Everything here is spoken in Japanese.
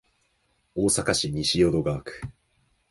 大阪市西淀川区